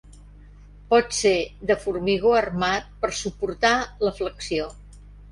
Pot ser de formigó armat, per suportar la flexió.